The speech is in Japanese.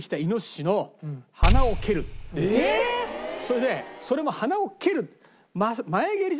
それでそれも鼻を蹴る。